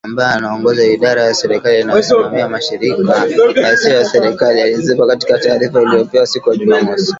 Ambaye anaongoza idara ya serikali inayosimamia mashirika yasiyo ya kiserikali, alisema katika taarifa iliyopewa siku ya Jumamosi